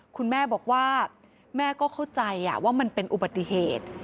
คุณแม่บอกว่าแม่ก็เข้าใจว่ามันเป็นอุบัติเหตุ